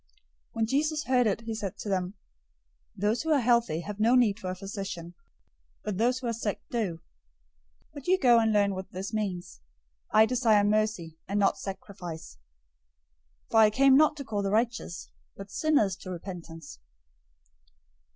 009:012 When Jesus heard it, he said to them, "Those who are healthy have no need for a physician, but those who are sick do. 009:013 But you go and learn what this means: 'I desire mercy, and not sacrifice,'{Hosea 6:6} for I came not to call the righteous, but sinners to repentance.{NU omits "to repentance".